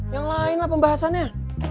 yang lain lah pembahasannya